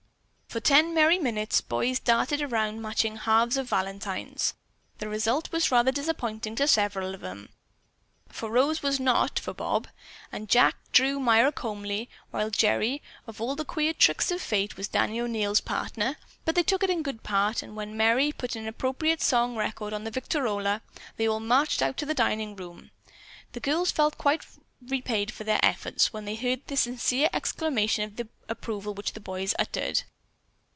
For ten merry minutes boys darted about matching halves of valentines. The result was rather disappointing to several of them, for Rose was not for Bob, and Jack drew Myra Comely, while Gerry, of all the queer tricks of Fate, was Danny O'Neil's partner; but they took it in good part, and when Merry put an appropriate song record on the victrola they all marched out to the dining room. The girls felt quite repaid for their efforts when they heard the sincere exclamation of approval which the boys uttered.